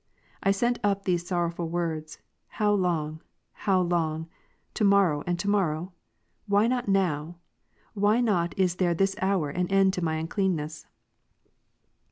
I sent up these sorrowful words ; How long ? how long, "to morrow, and to morrow ?" Why not now? why not is there this hour an end to my unclcanness